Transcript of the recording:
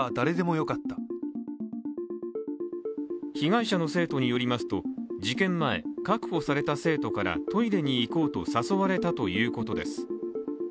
被害者の生徒によりますと、事件前、確保された生徒からトイレに行こうと誘われたということです。